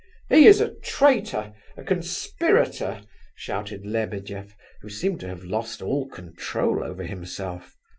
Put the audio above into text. "He is a traitor! a conspirator!" shouted Lebedeff, who seemed to have lost all control over himself.